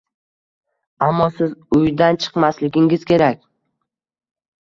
Ammo siz uydan chiqmasligingiz kerak